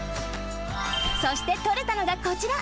そしてとれたのがこちら。